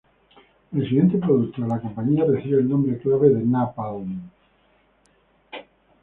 El siguiente producto de la compañía recibió el nombre clave "Napalm".